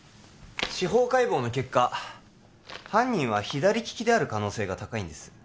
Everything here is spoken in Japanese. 司法解剖の結果犯人は左利きである可能性が高いんです